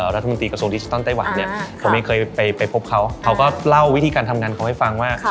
กระทรวงดิจิทัลไต้หวันเนี่ยผมเองเคยไปพบเขาเขาก็เล่าวิธีการทำงานเขาให้ฟังว่า